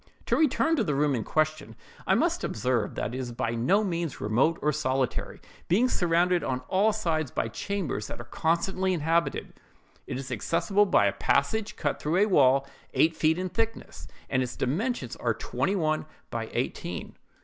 "To return to the room in question, I must observe that it is by no means remote or solitary, being surrounded on all sides by chambers that are constantly inhabited. It is accessible by a passage cut through a wall eight feet in thickness, and its dimensions are twenty one by eighteen.